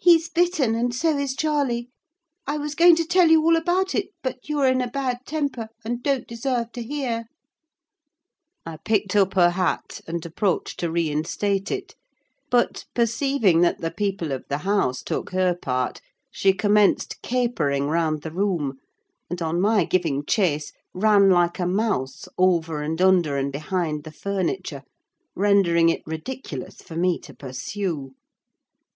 He's bitten—and so is Charlie. I was going to tell you all about it; but you are in a bad temper, and don't deserve to hear." I picked up her hat, and approached to reinstate it; but perceiving that the people of the house took her part, she commenced capering round the room; and on my giving chase, ran like a mouse over and under and behind the furniture, rendering it ridiculous for me to pursue.